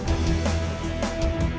ini harga yang sama